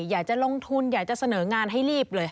อยากจะลงทุนอยากจะเสนองานให้รีบเลย